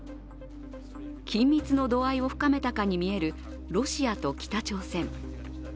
緊密の度合いを深めたかに見えるロシアと北朝鮮。